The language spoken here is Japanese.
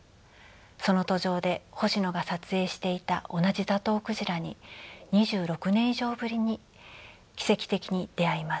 その途上で星野が撮影していた同じザトウクジラに２６年以上ぶりに奇跡的に出会います。